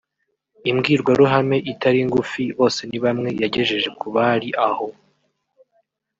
Imbwirwaruhame itari ngufi Bosenibamwe yagejeje ku bari aho